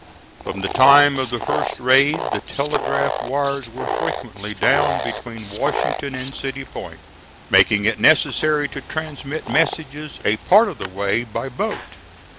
From the time of the first raid the telegraph wires were frequently down between Washington and City Point, making it necessary to transmit messages a part of the way by boat.